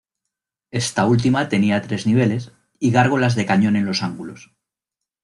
Esta última tenía tres niveles y gárgolas de cañón en los ángulos.